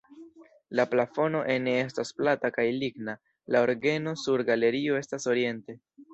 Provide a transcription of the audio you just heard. La plafono ene estas plata kaj ligna, la orgeno sur galerio estas oriente.